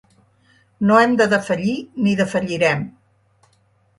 No hem de defallir ni defallirem.